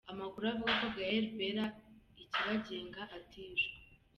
Amakuru avuga ko Gaelle Bella Ikibagenga atishwe.